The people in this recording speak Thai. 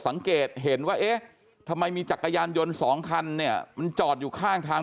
สังเกตเห็นว่าเอ๊ะทำไมมีจักรยานยนต์สองคันเนี่ยมันจอดอยู่ข้างทาง